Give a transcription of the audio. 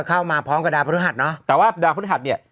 เข้ามาพร้อมกับดาวพระธรรมเนี่ยแต่ว่าดาวพระธรรมเนี่ย